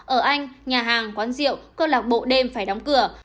ở anh nhà hàng quán rượu cơ lạc bộ đêm phải đóng cửa